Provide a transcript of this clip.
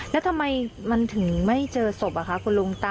แล้วทำไมมันถึงไม่เจอศพอะคะคุณลุง